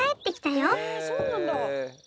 へえそうなんだ。